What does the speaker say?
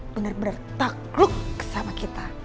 bener bener takluk sama kita